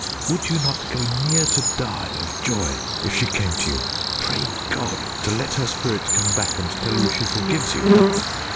Would you not go near to die of joy if she came to you? Pray God to let her spirit come back and tell you she forgives you!"